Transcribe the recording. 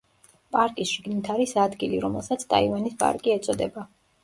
პარკის შიგნით არის ადგილი, რომელსაც „ტაივანის პარკი“ ეწოდება.